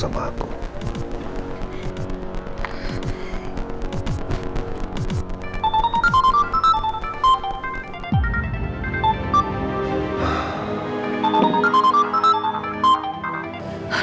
belum tentu anaknya roy